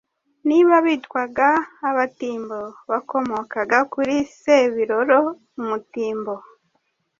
Nibo bitwaga Abatimbo bakomokaga kuri Sebiroro Umutimbo